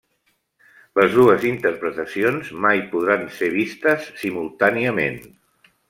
Les dues interpretacions mai podran ser vistes simultàniament.